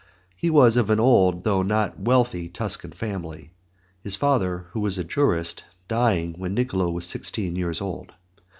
He was of an old though not wealthy Tuscan family, his father, who was a jurist, dying when Niccolo was sixteen years old.